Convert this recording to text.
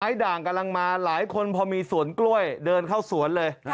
ด่างกำลังมาหลายคนพอมีสวนกล้วยเดินเข้าสวนเลย